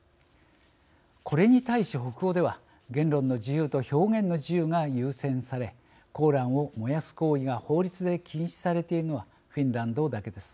これに対し、北欧では言論の自由と表現の自由が優先されコーランを燃やす行為が法律で禁止されているのはフィンランドだけです。